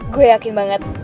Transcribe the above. gue yakin banget